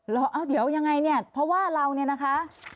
เดี๋ยวยังไงเนี่ยเพราะว่าเราเนี่ยนะคะ